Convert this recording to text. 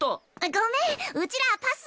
ごめんうちらパス！